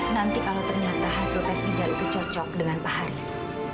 nanti kalau ternyata hasil tes ginjal itu cocok dengan pak haris